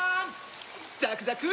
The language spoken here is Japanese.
ザクザク！